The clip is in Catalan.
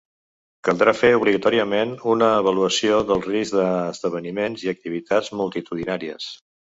Caldrà fer obligatòriament una avaluació del risc d’esdeveniments i activitats multitudinàries.